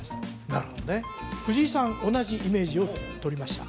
なるほどね藤井さん同じイメージを取りました？